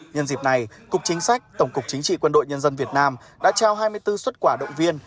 nhân dịp này cục chính sách tổng cục chính trị quân đội nhân dân việt nam đã trao hai mươi bốn xuất quả động viên